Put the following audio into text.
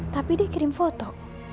tapi dia kirim foto